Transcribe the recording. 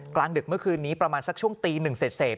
กลางดึกเมื่อคืนนี้ประมาณสักช่วงตีหนึ่งเสร็จ